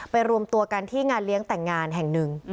รวมตัวกันที่งานเลี้ยงแต่งงานแห่งหนึ่ง